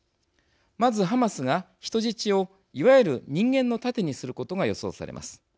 まず、ハマスが人質をいわゆる人間の盾にすることが予想されます。